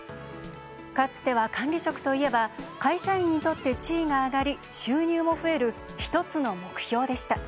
かつては、管理職といえば会社員にとって地位が上がり収入も増える、１つの目標でした。